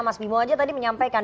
mas bimo aja tadi menyampaikan